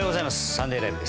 「サンデーＬＩＶＥ！！」